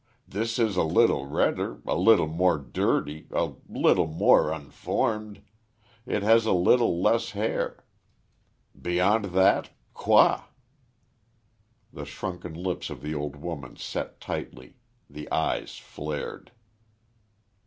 This is a little redder, a little more dirty, a little more unformed; it has a little less hair.... Beyond that, quoi?" The shrunken lips of the old woman set tightly; the eyes flared.